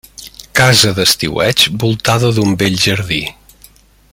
Casa d'estiueig voltada d'un bell jardí.